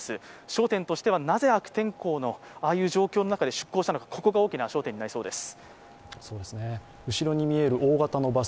焦点としてはなぜ悪天候のああいう状況の中で出港したのかここが大きな焦点になりそうです。